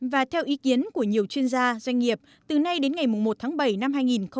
và theo ý kiến của nhiều chuyên gia doanh nghiệp từ nay đến ngày một tháng bảy năm hai nghìn hai mươi